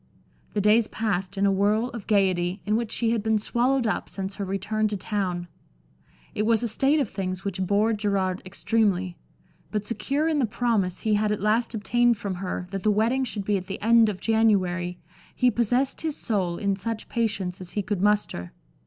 The days passed in a whirl of gaiety, in which she had been swallowed up since her return to town. It was a state of things which bored Gerard extremely, but secure in the promise he had at last obtained from her that the wedding should be at the end of January he possessed his soul in such patience as he could muster.